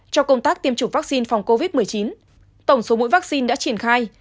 cho công tác tiêm chủng vaccine phòng covid một mươi chín tổng số mũi vaccine đã triển khai